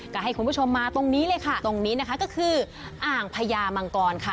ก็ให้คุณผู้ชมมาตรงนี้เลยค่ะตรงนี้นะคะก็คืออ่างพญามังกรค่ะ